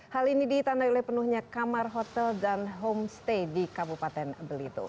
hal ini ditandai oleh penuhnya kamar hotel dan homestay di kabupaten belitung